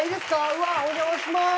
うわお邪魔します。